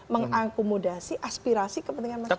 mengakomodasi aspirasi kepentingan masyarakat